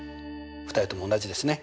２人とも同じですね。